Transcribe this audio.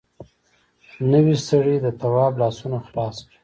نوي سړي د تواب لاسونه خلاص کړل.